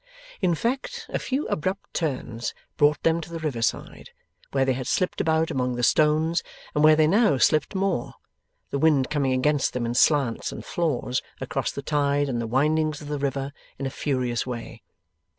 In fact, a few abrupt turns brought them to the river side, where they had slipped about among the stones, and where they now slipped more; the wind coming against them in slants and flaws, across the tide and the windings of the river, in a furious way.